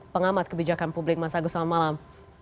pengamat kebijakan publik mas agus selamat malam